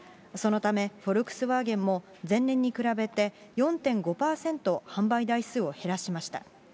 そのため、フォルクスワーゲンも、前年に比べて、４．５％販売台数を減らしました。